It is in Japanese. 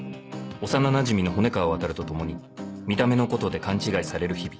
幼なじみの骨川ワタルと共に見た目のことで勘違いされる日々